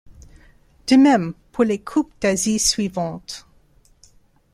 De même pour les Coupes d’Asie suivantes.